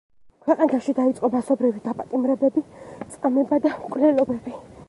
ქვეყანაში დაიწყო მასობრივი დაპატიმრებები, წამება და მკვლელობები.